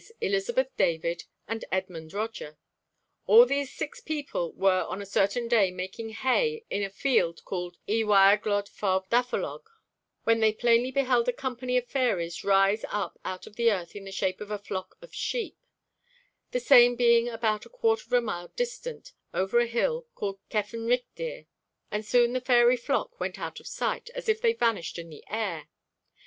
Elizabeth David, and Edmund Roger. All these six people were on a certain day making hay in a field called Y Weirglodd Fawr Dafolog, when they plainly beheld a company of fairies rise up out of the earth in the shape of a flock of sheep; the same being about a quarter of a mile distant, over a hill, called Cefn Rhychdir; and soon the fairy flock went out of sight, as if they vanished in the air.